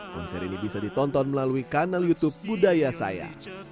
konser ini bisa ditonton melalui kanal youtube budaya saya